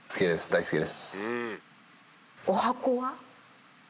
大好きです。